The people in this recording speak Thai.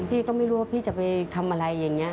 พี่ก็ไม่รู้ว่าพี่จะไปทำอะไรอย่างนี้